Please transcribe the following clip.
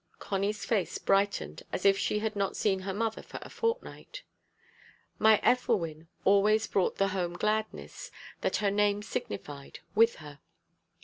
Connie's face brightened as if she had not seen her mother for a fortnight. My Ethelwyn always brought the home gladness that her name signified with her.